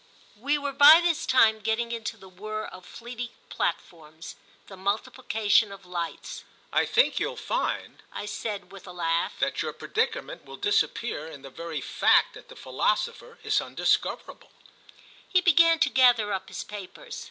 We were by this time getting into the whirr of fleeting platforms, the multiplication of lights. "I think you'll find," I said with a laugh, "that your predicament will disappear in the very fact that the philosopher is undiscoverable." He began to gather up his papers.